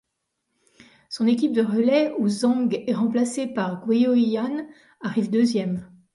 Son équipe de relais, où Zang est remplacée par Guo Yihan, arrive deuxième.